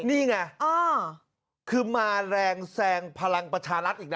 นี่ไงคือมาแรงแซงพลังประชารัฐอีกนะ